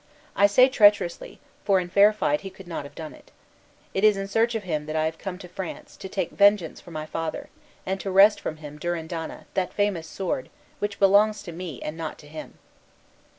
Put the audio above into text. I say treacherously, for in fair fight he could not have done it. It is in search of him that I have come to France, to take vengeance for my father, and to wrest from him Durindana, that famous sword, which belongs to me, and not to him."